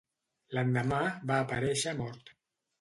L'endemà, va aparéixer mort